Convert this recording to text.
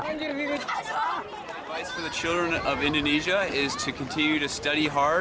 persyaratan untuk anak anak indonesia adalah untuk terus belajar